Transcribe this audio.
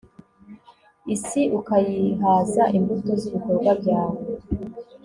isi ukayihaza imbuto z'ibikorwa byawe